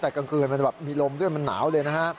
แต่กลางคืนมันแบบมีลมด้วยมันหนาวเลยนะฮะ